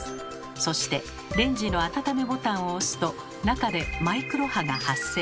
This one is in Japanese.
そしてレンジの「あたためボタン」を押すと中でマイクロ波が発生。